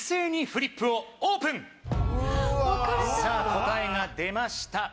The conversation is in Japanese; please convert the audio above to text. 答えが出ました。